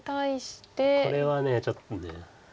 これはちょっと。